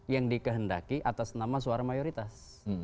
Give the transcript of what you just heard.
yang dikehendaki atas nama suara mayoritas